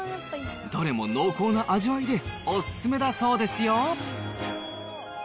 どれも濃厚な味わいで、お勧めだそうですよ。